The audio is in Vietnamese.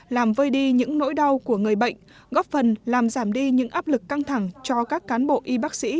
làm vơi đi những nỗi đau của người bệnh góp phần làm giảm đi những áp lực căng thẳng cho các cán bộ y bác sĩ